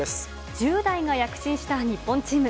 １０代が躍進した日本チーム。